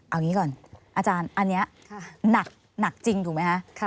เอางี้ก่อนอาจารย์อันนี้หนักจริงถูกไหมคะ